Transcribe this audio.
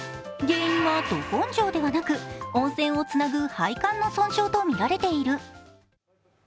原因はド根性ではなく温泉をつなぐ配管の損傷とみられている。